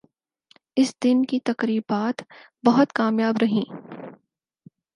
اس دن کی تقریبات بہت کامیاب رہیں ۔